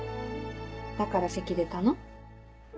だからせき出たの？